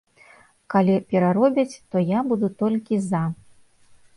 Калі пераробяць, то я буду толькі за.